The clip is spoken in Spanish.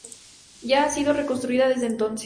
Ya ha sido reconstruida desde entonces.